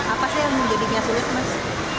apa sih yang menjadinya sulit mas